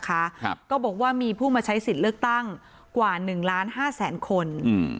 ครับก็บอกว่ามีผู้มาใช้สิทธิ์เลือกตั้งกว่าหนึ่งล้านห้าแสนคนอืม